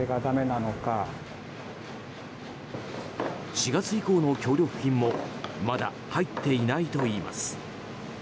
４月以降の協力金もまだ入っていないといいます。